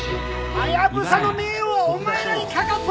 ハヤブサの名誉はお前らにかかっとるでな！